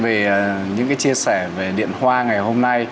vì những cái chia sẻ về điện hoa ngày hôm nay